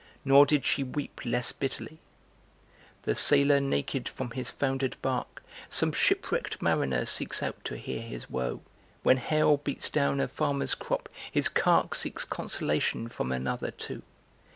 Nor did she weep less bitterly: The sailor, naked from his foundered barque, Some shipwrecked mariner seeks out to hear his woe; When hail beats down a farmer's crop, his cark Seeks consolation from another, too.